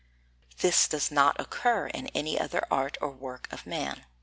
This does not occur in any other art or work of man.